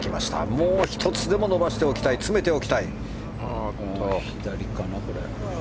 もう１つでも伸ばしておきたい詰めておきたい。